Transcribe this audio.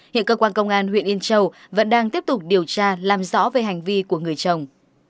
hiện cơ quan công an huyện yên châu vẫn đang tiếp tục điều tra làm rõ về hành vi của người chồng